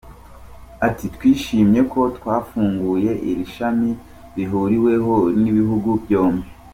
Ati “Twishimiye ko twafunguye iri shami rihuriweho n’ibihugu byombi.